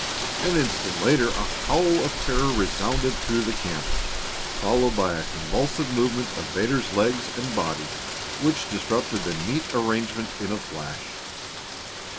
An instant later a howl of terror resounded through the camp, followed by a convulsive movement of Vedder's legs and body which disrupted the neat arrangement in a flash.